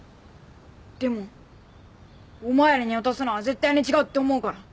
でもお前らに渡すのは絶対に違うって思うから。